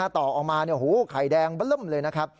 ต่อออกมาเนี่ยโหไข่แดงบะเริ่มเลยนะครับ